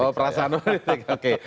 oh perasaan politik oke